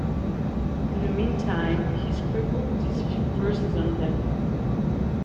In the meantime, he scribbled these few verses on them.